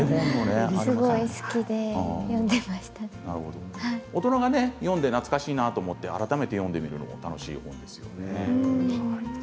すごい好きで大人が読んで懐かしいなとか改めて読んでみるのも楽しいですね。